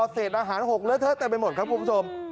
เศษอาหาร๖เล้วเท้าแต่ไม่หมดครับคุณผู้ชม